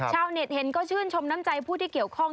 เน็ตเห็นก็ชื่นชมน้ำใจผู้ที่เกี่ยวข้อง